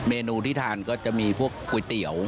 เมนูที่ทานก็จะมีพวกก๋วยเตี๋ยว